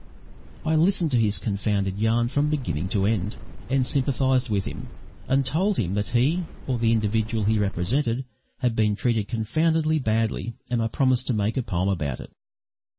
I listened to his confounded yarn from beginning to end, and sympathised with him, and told him that he, or the individual he represented, had been treated confoundedly badly; and I promised to make a poem about it.